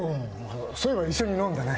そういえば一緒に飲んだね。